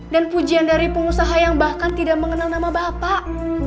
dan pujian dari pengusaha yang bahkan tidak mengenal nama bapak